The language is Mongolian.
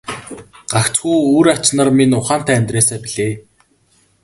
Гагцхүү үр ач нар минь ухаантай амьдраасай билээ.